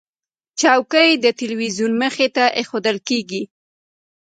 چوکۍ د تلویزیون مخې ته ایښودل کېږي.